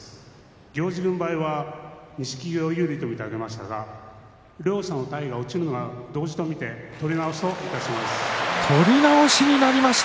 行司軍配は錦木を有利と見て上げましたが両者の体が落ちるのが同時と見て取り直しといたします。